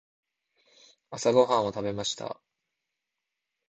朝ごはんはパンを食べました。